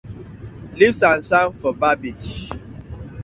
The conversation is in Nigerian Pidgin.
Leave sand sand for bar beach.